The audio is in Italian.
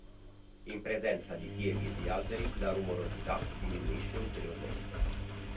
In presenza di siepi e di alberi la rumorosità diminuisce ulteriormente.